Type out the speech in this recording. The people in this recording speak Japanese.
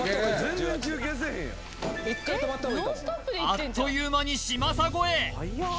あっという間に嶋佐超え